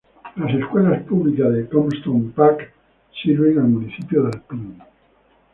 Las Escuelas Públicas de Comstock Park sirve el municipio de Alpine.